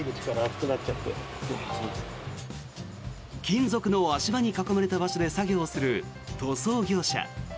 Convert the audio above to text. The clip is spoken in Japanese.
金属の足場に囲まれた場所で作業をする塗装業者。